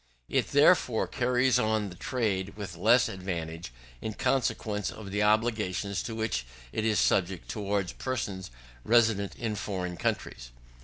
It therefore carries on the trade with less advantage, in consequence of the obligations to which it is subject towards persons resident in foreign countries.